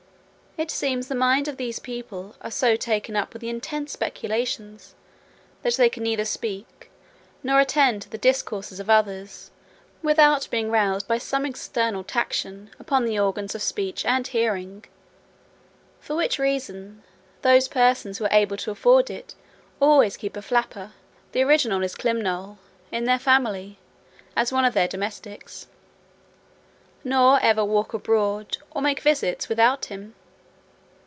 It seems the minds of these people are so taken up with intense speculations, that they neither can speak, nor attend to the discourses of others, without being roused by some external taction upon the organs of speech and hearing; for which reason, those persons who are able to afford it always keep a flapper (the original is climenole) in their family, as one of their domestics; nor ever walk abroad, or make visits, without him.